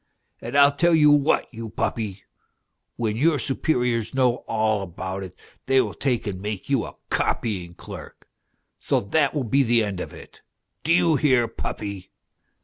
And I tell you what, you puppy, when your superiors know all about it they will take and make you a copying clerk ; so that will be the end of it ! Do you hear, puppy